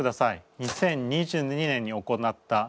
２０２２年に行った実験です。